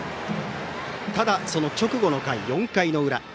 ただ、その直後の４回の裏。